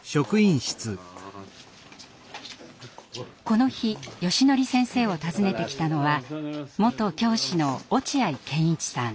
この日よしのり先生を訪ねてきたのは元教師の落合賢一さん。